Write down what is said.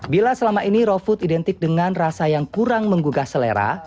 bila selama ini raw food identik dengan rasa yang kurang menggugah selera